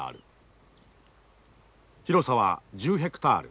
広さは１０ヘクタール。